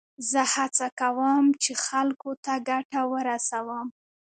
زه هڅه کوم، چي خلکو ته ګټه ورسوم.